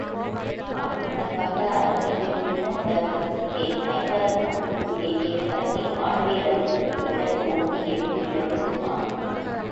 ஆண்டுக் கணக்காக அருமை பெருமையுடன் வளர்த்த தொந்தியை, ஐந்தாறு நாட்களுக்குள்ளேயே மரத்தின் ஆணிவேரறுப்பதுபோல தோண்டி எறிந்து விட முடியுமா?